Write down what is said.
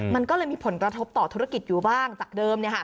มันก็เลยมีผลกระทบต่อธุรกิจอยู่บ้างจากเดิม